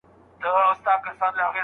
د څېړونکي مخالفت نه ځپل کېږي.